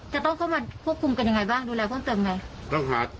จะต้องเข้ามาควบคุมกันยังไงบ้างดูแลเพิ่มเติมไง